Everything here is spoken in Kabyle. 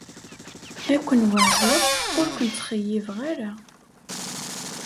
Ad ken-weɛdeɣ ur ken-ttxeyyibeɣ ara.